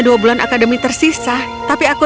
dua bulan akademi tersisa tapi aku